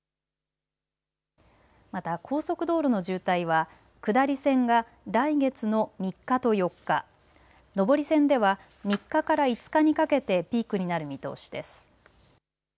また高速道路の渋滞は下り線が来月の３日と４日上り線では３日から５日にかけてピークになる見通しです。